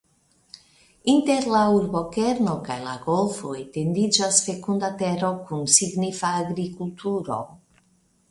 Inter la urbokerno kaj la golfo etendiĝas fekunda tero kun signifa agrikulturo.